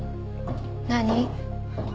何？